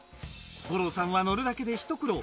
五郎さんは乗るだけで一苦労。